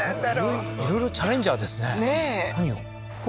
いろいろチャレンジャーですねねえ何を？